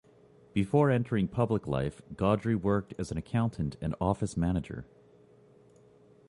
Before entering public life, Gaudry worked as an accountant and office manager.